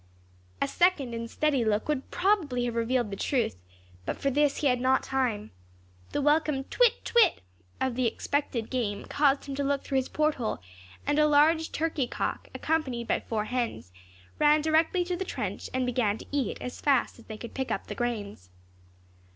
A second and steady look would probably have revealed the truth; but for this he had not time. The welcome "twit! twit!" of the expected game caused him to look through his port hole, and a large turkey cock, accompanied by four hens, ran directly to the trench, and began to eat as fast as they could pick up the grains.